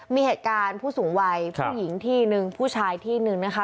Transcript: มีเหตุการณ์ผู้สูงวัยผู้หญิงที่หนึ่งผู้ชายที่หนึ่งนะคะ